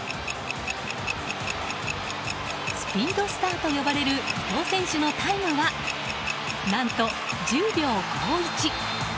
スピードスターと呼ばれる伊東選手のタイムは何と１０秒５１！